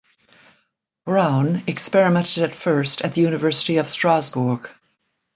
Braun experimented at first at the University of Strasbourg.